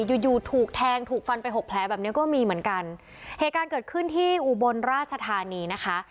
อยู่อยู่ถูกแทงถูกฟันไปหกแผลแบบเนี้ยก็มีเหมือนกันเหตุการณ์เกิดขึ้นที่อุบลราชธานีนะคะ